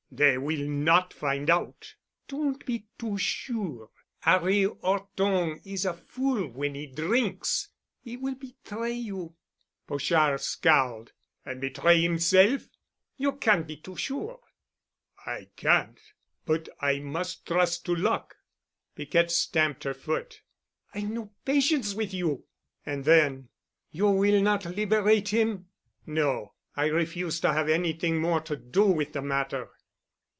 "They will not find out." "Don't be too sure. 'Arry 'Orton is a fool when he drinks. He will betray you——" Pochard scowled. "And betray himself——?" "You can't be too sure." "I can't. But I must trust to luck." Piquette stamped her foot. "I've no patience with you." And then, "You will not liberate him?" "No. I refuse to have anything more to do with the matter."